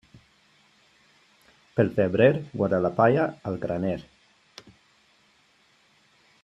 Pel febrer, guarda la palla al graner.